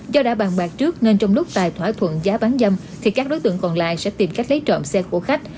do đã bàn bạc trước nên trong lúc tài thỏa thuận giá bán dâm thì các đối tượng còn lại sẽ tìm cách lấy trộm xe của khách